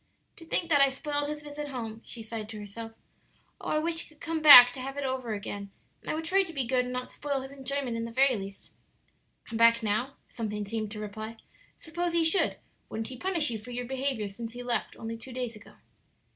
"To think that I spoiled his visit home," she sighed to herself. "Oh, I wish he could come back to have it over again, and I would try to be good and not spoil his enjoyment in the very least!" "Come back now?" something seemed to reply; "suppose he should; wouldn't he punish you for your behavior since he left, only two days ago?"